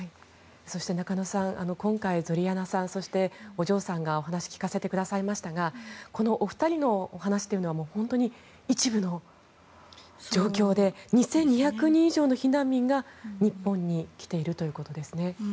中野さん、今回ゾリャナさんそして、お嬢さんがお話を聞かせてくださいましたがこのお二人のお話は一部の状況で２２００人以上の避難民が日本に来ているということですね。